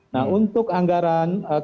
nah untuk anggaran kegiatan